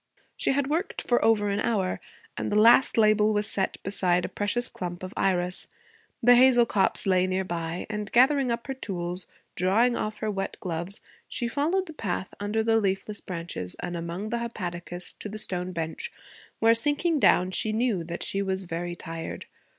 She had worked for over an hour and the last label was set beside a precious clump of iris. The hazel copse lay near by; and gathering up her tools, drawing off her wet gloves, she followed the path under the leafless branches and among the hepaticas to the stone bench, where, sinking down, she knew that she was very tired.